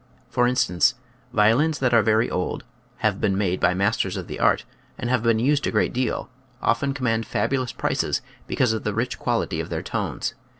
For instance, violins that are very old, have been made by masters of the art, and have been used a great deal, often com mand fabulous prices because of the rich quality of their tones.